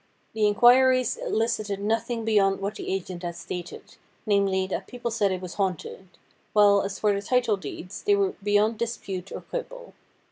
The in quiries elicited nothing beyond what the agent had stated, namely, that people said it was haunted ; while, as for the title deeds, they were beyond dispute or quibble.